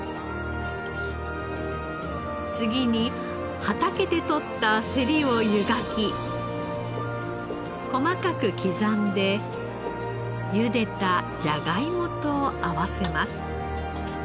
次に畑で取ったセリを湯がき細かく刻んでゆでたジャガイモと合わせます。